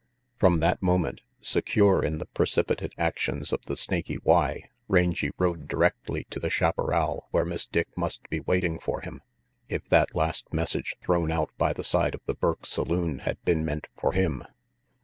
From that moment, secure in the precipitate actions of the Snaky Y, Rangy rode directly to the chaparral where Miss Dick must be waiting for him, if that last message thrown out by the side of the Burke saloon had been meant for him.